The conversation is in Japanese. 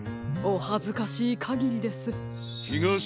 おはずかしいかぎりです。